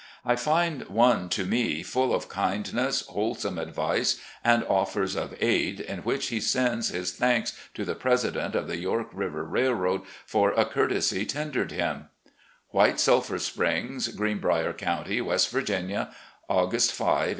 I find one to me, full of kindness, whole some advice, and offers of aid, in which he sends his thanks to the President of the York River Railroad for a courtesy tendered him: "White Sulphur Springs, "Greenbrier County, West Virginia, "August s, 1867.